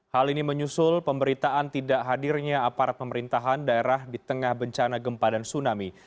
hal ini menyusul pemberitaan tidak hadirnya aparat pemerintahan daerah di tengah bencana gempa dan tsunami